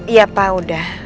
ya pak udah